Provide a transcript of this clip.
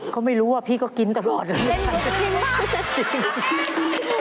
ก็ไม่รู้ว่าพี่ก็กินตลอดเลย